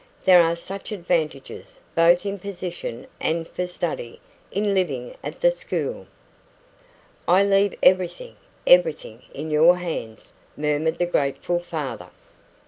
There are such advantages, both in position and for study, in living at the school." "I leave everything everything, in your hands," murmured the grateful father.